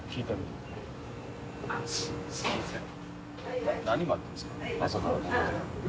「すいません」